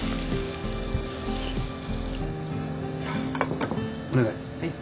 お願い。